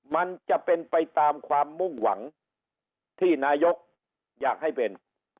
มันจะเป็นไปตามความมุ่งหวังที่นายกอยากให้เป็น